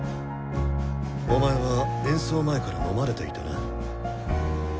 お前は演奏前からのまれていたな。